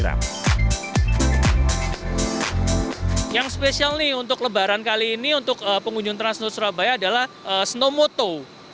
yang spesial untuk lebaran kali ini untuk pengunjung trans snow surabaya adalah snowmoto